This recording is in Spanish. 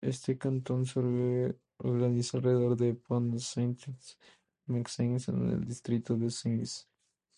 Este cantón se organiza alrededor de Pont-Sainte-Maxence, en el distrito de Senlis.